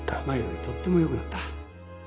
前よりとってもよくなった